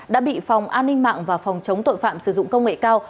đã bị phòng an ninh mạng và phòng chống tội phạm sử dụng công nghệ cao